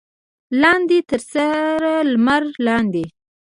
لاندې تر سره لمر لاندې.